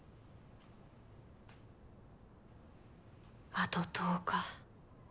あと１０日。